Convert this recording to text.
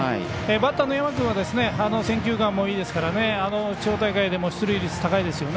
バッターの山君は選球眼もいいですからね地方大会でも出塁率高いですよね。